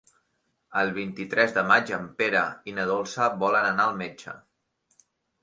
El vint-i-tres de maig en Pere i na Dolça volen anar al metge.